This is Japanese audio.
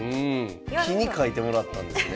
木に書いてもらったんですね。